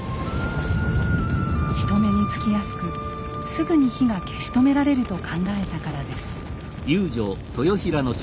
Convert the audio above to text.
人目につきやすくすぐに火が消し止められると考えたからです。